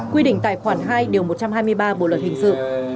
quy định tại khoản hai điều một trăm hai mươi ba